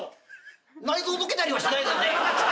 内臓とけたりはしないですよね。